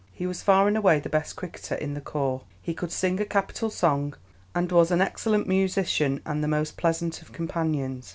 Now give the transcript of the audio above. He was far and away the best cricketer in the corps; he could sing a capital song, and was an excellent musician and the most pleasant of companions.